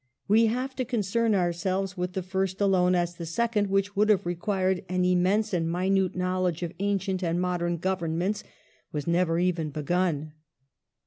We have to concern ourselves with the first alone, as the second, which would have required an im mense and minute knowledge of ancient and modern governments, was never even begun.